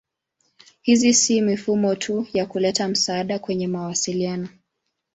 Hizo si mifumo tu ya kuleta msaada kwenye mawasiliano.